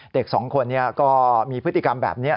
เด็กสองคนนี้ก็มีพฤติกรรมแบบนี้